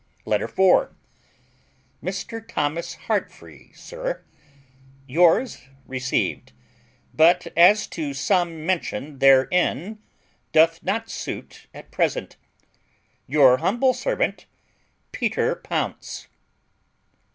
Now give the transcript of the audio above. LETTER IV. MR. THOMAS HEARTFREE, SIR, Yours received: but as to sum mentioned therein, doth not suit at present. Your humble servant, PETER POUNCE.